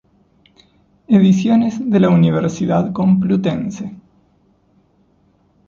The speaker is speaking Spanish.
Ediciones de la Universidad Complutense.